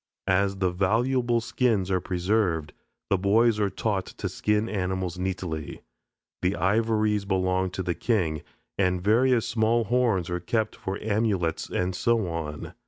As the valuable skins are preserved, the boys are taught to skin animals neatly. The ivories belong to the king, and various small horns are kept for amulets, and so on.